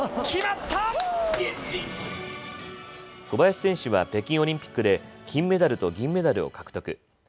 小林選手は北京オリンピックで金メダルと銀メダルを獲得。